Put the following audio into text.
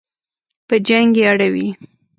په جنګ یې اړوي.